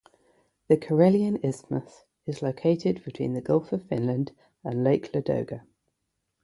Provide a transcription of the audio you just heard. The Karelian Isthmus is located between the Gulf of Finland and Lake Ladoga.